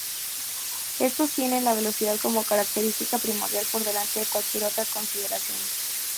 Estos tienen la velocidad como característica primordial por delante de cualquier otra consideración.